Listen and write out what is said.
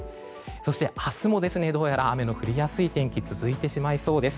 そして明日もどうやら雨の降りやすい天気続いてしまいそうです。